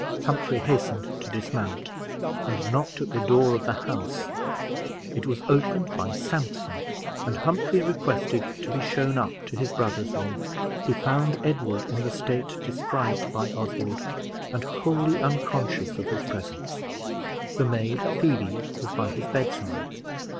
Humphrey hastened to dismount, and knocked at the door of the house; it was opened by Sampson, and Humphrey requested to be shown up to his brother's room. He found Edward in the state described by Oswald, and wholly unconscious of his presence; the maid, Phoebe, was by his bedside.